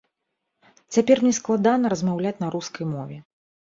Цяпер мне складана размаўляць на рускай мове.